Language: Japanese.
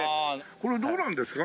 これどうなんですか？